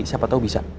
siapa tau bisa